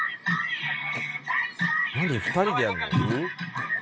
２人でやるの？